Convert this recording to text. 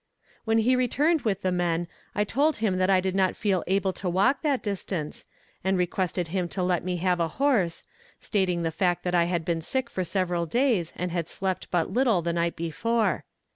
When he returned with the men, I told him that I did not feel able to walk that distance, and requested him to let me have a horse, stating the fact that I had been sick for several days, and had slept but little the night before.